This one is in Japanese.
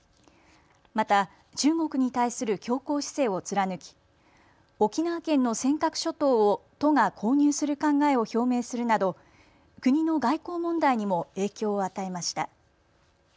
また中国に対する強硬姿勢を貫き沖縄県の尖閣諸島を都が購入する考えを表明するなど国の外交問題にも影響を与えました。